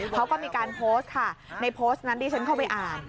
เขาก็มีการโพสต์ค่ะในโพสต์นั้นดิฉันเข้าไปอ่าน